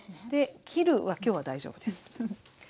で切るは今日は大丈夫です。